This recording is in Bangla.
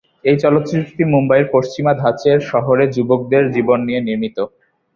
এই চলচ্চিত্রটি মুম্বাইয়ের পশ্চিমা ধাঁচের শহুরে যুবকদের জীবন নিয়ে নির্মিত।